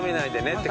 って。